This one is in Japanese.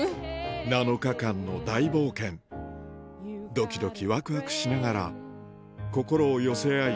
７日間の大冒険ドキドキワクワクしながら心を寄せ合い